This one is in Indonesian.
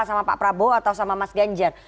sama pak prabowo atau sama mas ganjar